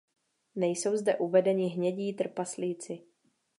Nejsou zde uvedeni hnědí trpaslíci.